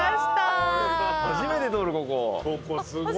初めて通るここ。